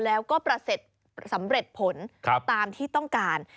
แล้วก็ประเสร็จสำเร็จผลตามที่ต้องการ